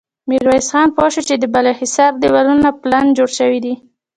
ميرويس خان پوه شو چې د بالا حصار دېوالونه پلن جوړ شوي دي.